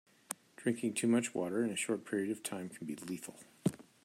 Drinking too much water in a short period of time can be lethal.